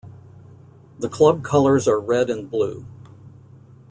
The club colors are red and blue.